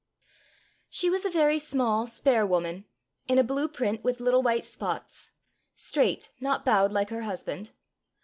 She was a very small, spare woman, in a blue print with little white spots straight, not bowed like her husband.